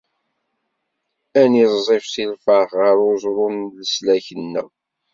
Ad niẓẓif si lferḥ ɣer uẓru n leslak-nneɣ.